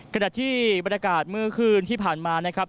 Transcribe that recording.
ขณะที่บรรยากาศเมื่อคืนที่ผ่านมานะครับ